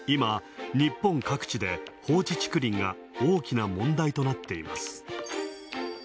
今、放置竹林が大きな問題となっています。